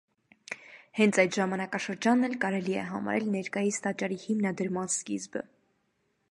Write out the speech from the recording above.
Հենց այդ ժամանակաշրջանն էլ կարելի է համարել ներկայիս տաճարի հիմնադրման սկիզբը։